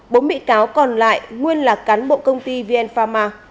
bốn bị cáo còn lại nguyên là cán bộ công ty vn pharma